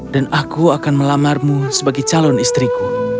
dan aku akan melamarmu sebagai calon istriku